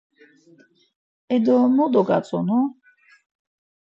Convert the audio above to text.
E do, mu dogatzonu?